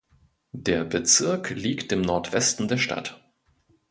Der Bezirk liegt im Nordwesten der Stadt.